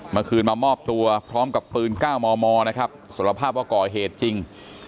เมื่อคืนมามอบตัวพร้อมกับปืน๙มมนะครับสารภาพว่าก่อเหตุจริง